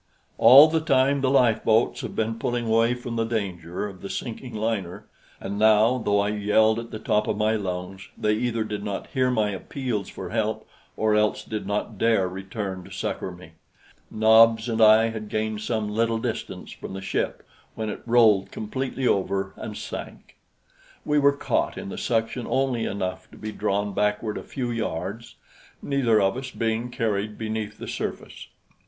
All the time the lifeboats had been pulling away from the danger of the sinking liner, and now, though I yelled at the top of my lungs, they either did not hear my appeals for help or else did not dare return to succor me. Nobs and I had gained some little distance from the ship when it rolled completely over and sank. We were caught in the suction only enough to be drawn backward a few yards, neither of us being carried beneath the surface.